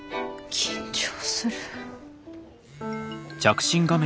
緊張する。